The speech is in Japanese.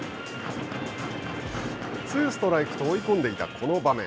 ツーストライクと追い込んでいたこの場面。